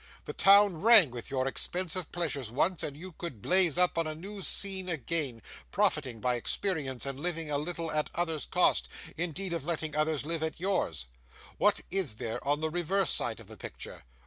The town rang with your expensive pleasures once, and you could blaze up on a new scene again, profiting by experience, and living a little at others' cost, instead of letting others live at yours. What is there on the reverse side of the picture?